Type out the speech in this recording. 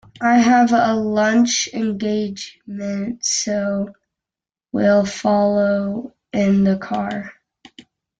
I have a lunch engagement, so will follow in the car.